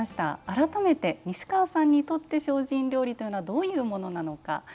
改めて、西川さんにとって精進料理というのはどういうものなのか。